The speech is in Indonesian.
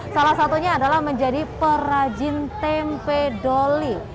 salah satunya adalah menjadi perajin tempe doli